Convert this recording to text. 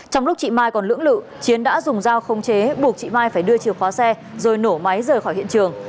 trong lúc chị mai còn lưỡng lự chiến đã dùng dao không chế buộc chị mai phải đưa chìa khóa xe rồi nổ máy rời khỏi hiện trường